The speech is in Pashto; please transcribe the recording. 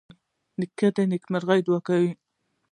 نیکه د نیکمرغۍ دعاوې کوي.